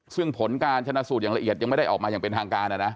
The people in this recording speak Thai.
ซึ่งผลการชนะสูตรอย่างละเอียดยังไม่ได้ออกมาอย่างเป็นทางการนะนะ